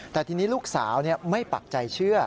แต่ทีนี้ลูกสาวไม่ปักใจเชื่อ